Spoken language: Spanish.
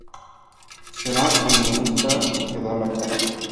Será el guionista que da la cara.